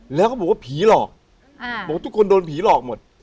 แล้วก็บอกว่าผีหลอกบอกว่าทุกคนโดนผีหลอกหมด